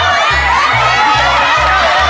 ไร่ท้ายน้ำ